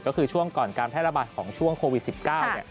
ก็คือช่วงก่อนการแทรฐบาทของช่วงโควิด๑๙เนี่ย